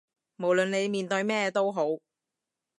無論你面對咩都好